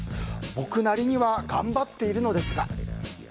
僕なりには頑張っているのですが。